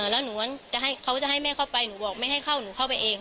แล้วหนูจะให้เขาจะให้แม่เข้าไปหนูบอกไม่ให้เข้าหนูเข้าไปเอง